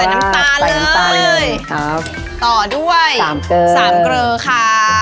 ใส่น้ำตาเลยใส่น้ำตาเลยครับต่อด้วยสามเกลอสามเกลอค่ะ